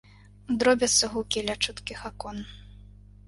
Дробяцца гукі ля чуткіх акон.